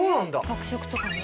学食とかに？